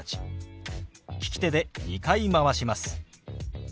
利き手で２回回します。